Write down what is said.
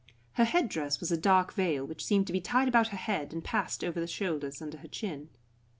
Her head dress was a dark veil which seemed to be tied about her head and passed over the shoulders under her chin.